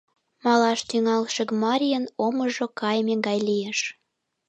Малаш тӱҥалше Гмарьын омыжо кайыме гай лиеш.